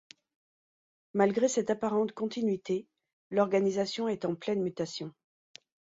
Malgré cette apparente continuité, l'organisation est en pleine mutation.